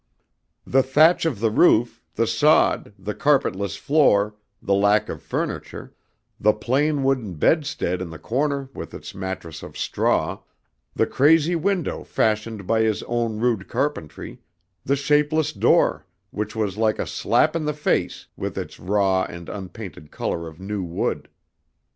The thatch of the roof, the sod, the carpetless floor, the lack of furniture, the plain wooden bedstead in the corner with its mattress of straw, the crazy window fashioned by his own rude carpentry, the shapeless door which was like a slap in the face with its raw and unpainted color of new wood.